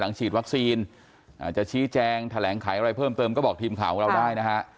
ฉีดวัคซีนจะชี้แจงแถลงไขอะไรเพิ่มเติมก็บอกทีมข่าวของเราได้นะฮะ